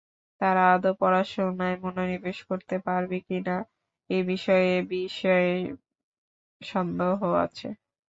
তারা আদৌ পড়াশোনায় মনোনিবেশ করতে পারবে কি না এ বিষয়ে সন্দেহ আছে।